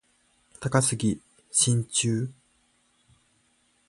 高杉真宙